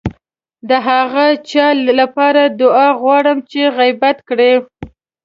د هغه چا لپاره دعا وغواړئ چې غيبت کړی.